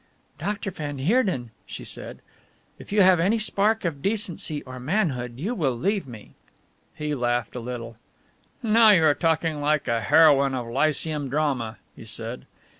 "Dr. van Heerden," she said, "if you have any spark of decency or manhood you will leave me." He laughed a little. "Now you are talking like a heroine of Lyceum drama," he said.